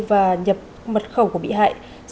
và nhập mật khẩu của bị hại